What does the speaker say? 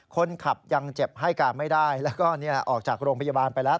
คนขับยังเจ็บให้การไม่ได้แล้วก็ออกจากโรงพยาบาลไปแล้ว